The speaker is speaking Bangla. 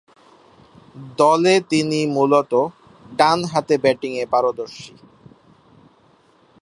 দলে তিনি মূলতঃ ডানহাতে ব্যাটিংয়ে পারদর্শী।